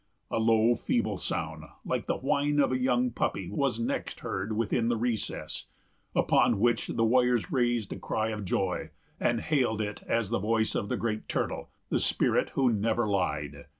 A low, feeble sound, like the whine of a young puppy, was next heard within the recess; upon which the warriors raised a cry of joy, and hailed it as the voice of the Great Turtle——the spirit who never lied.